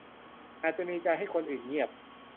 อาจจะมีใจให้คนอื่นเงียบ